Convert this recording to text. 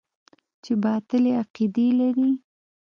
چې باطلې عقيدې لري.